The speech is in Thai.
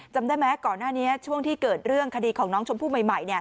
จำได้ไหมก่อนหน้านี้ช่วงที่เกิดเรื่องคดีของน้องชมพู่ใหม่